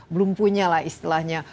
belum punya lah istilahnya